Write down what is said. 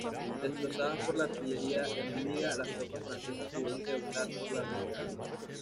Destrozadas por la artillería enemiga, las tropas francesas tuvieron que optar por la retirada.